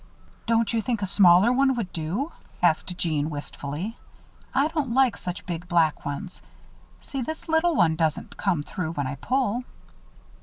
"Don't you think a smaller one would do?" asked Jeanne, wistfully. "I don't like such big, black ones. See, this little one doesn't; come through when I pull."